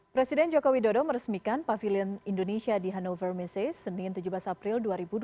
presiden joko widodo meresmikan pavilion indonesia di hannover mese senin tujuh belas april dua ribu dua puluh tiga